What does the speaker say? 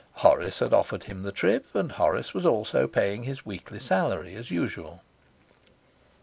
Horace had offered him the trip, and Horace was also paying his weekly salary as usual.